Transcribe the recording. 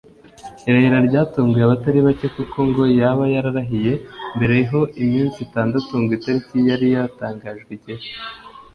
irahira ryatunguye abatari bacye kuko ngo yaba yararahiye mbereho iminsi itandatu ngo itariki yari yatangajwe igere